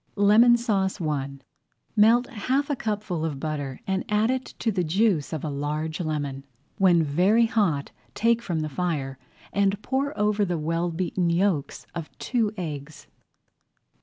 LEMON SAUCE I Melt half a cupful of butter and add to it the juice of a large lemon. When very hot take from the fire and pour over the well beaten yolks of two eggs.